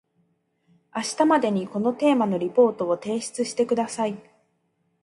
明日までにこのテーマのリポートを提出してください